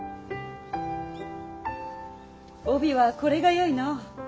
帯はこれがよいの。